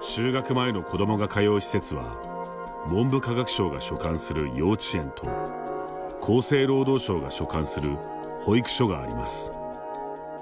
就学前の子どもが通う施設は文部科学省が所管する幼稚園と厚生労働省が所管する保育所があります。